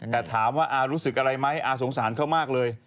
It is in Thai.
แต่ถามว่าอารู้สึกอะไรไหมอาสงสารเขามากเลย